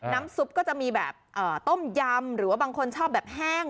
ซุปก็จะมีแบบต้มยำหรือว่าบางคนชอบแบบแห้ง